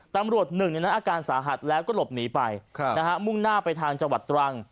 หนึ่งในนั้นอาการสาหัสแล้วก็หลบหนีไปมุ่งหน้าไปทางจังหวัดตรัง